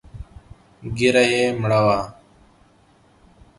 ږيره يې مړه وه.